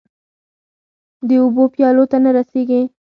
د اوبو پیالو ته نه رسيږې